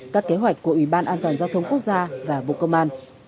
các kế hoạch của ủy ban an toàn giao thông quốc gia và bộ công an